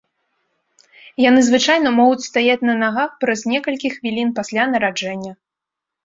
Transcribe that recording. Яны звычайна могуць стаяць на нагах праз некалькіх хвілін пасля нараджэння.